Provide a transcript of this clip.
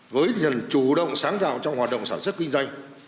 với nhận chủ động sáng tạo trong hoạt động sản xuất kinh tế